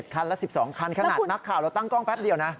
คันละ๑๒คันขนาดนักข่าวเราตั้งกล้องแป๊บเดียวนะ